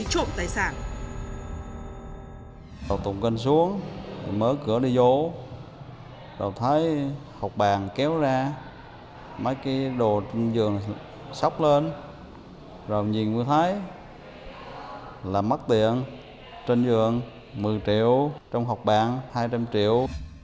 rồi tụng cân xuống mở cửa đi vô rồi thấy học bàn kéo ra mấy cái đồ trong giường xóc lên rồi nhìn vừa thấy là mắc tiền trên giường một mươi triệu trong học bàn hai trăm linh triệu